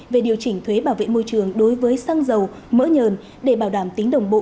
về điều chỉnh thuế bảo vệ môi trường đối với xăng dầu mỡ nhờn để bảo đảm tính đồng bộ